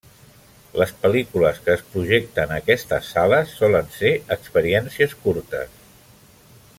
Les pel·lícules que es projecten a aquestes sales solen ser experiències curtes.